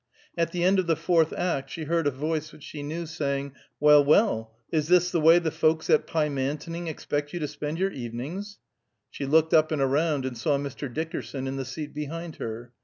At the end of the fourth act she heard a voice which she knew, saying, "Well, well! Is this the way the folks at Pymantoning expect you to spend your evenings?" She looked up and around, and saw Mr. Dickerson in the seat behind her.